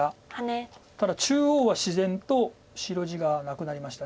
ただ中央は自然と白地がなくなりました。